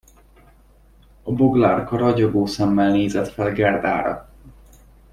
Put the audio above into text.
A boglárka ragyogó szemmel nézett fel Gerdára.